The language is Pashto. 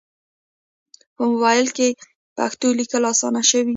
په موبایل کې پښتو لیکل اسانه شوي.